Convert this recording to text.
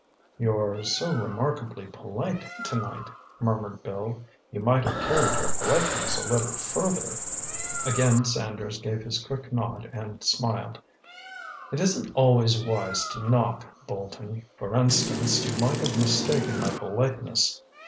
"You're so remarkably polite tonight," murmured Bill, "you might have carried your politeness a little further." Again Sanders gave his quick nod and smiled. "It isn't always wise to knock, Bolton. For instance, you might have mistaken my politeness.